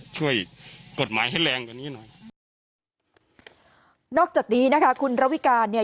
ช่วยกฎหมายให้แรงกว่านี้หน่อยนอกจากนี้นะคะคุณระวิการเนี่ย